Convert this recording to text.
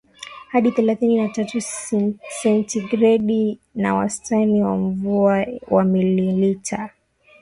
hadi thelathini na tatu sentigredi na wastani wa mvua wa mililita